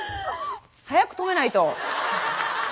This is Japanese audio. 早く止めないと。